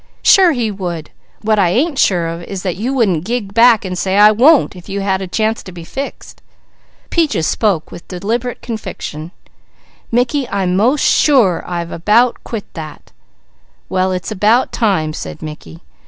Sure he would! What I ain't sure of is that you wouldn't gig back and say, 'I won't!' if you had a chance to be fixed." Peaches spoke with deliberate conviction: "Mickey, I'm most sure I've about quit that!" "Well, it's time!" said Mickey.